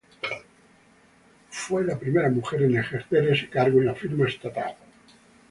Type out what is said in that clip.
Fue la primera mujer en ejercer este cargo en la firma estatal.